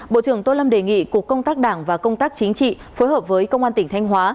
bộ trưởng tô lâm đề nghị cục công tác đảng và công tác chính trị phối hợp với công an tỉnh thanh hóa